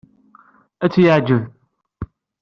Ad t-yeɛjeb.